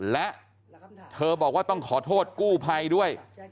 และเธอบอกว่าต้องขอโทษกู้ภัยด้วย